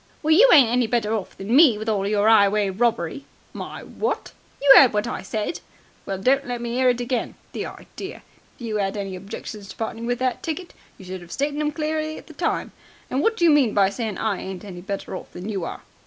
"Well, you ain't any better off than me, with all your 'ighway robbery!" "My what!" "You 'eard what I said." "Well, don't let me 'ear it again. The idea! If you 'ad any objections to parting with that ticket, you should have stated them clearly at the time. And what do you mean by saying I ain't any better off than you are?"